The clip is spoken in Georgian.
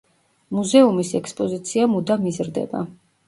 მუზეუმის ექსპოზიცია მუდამ იზრდება.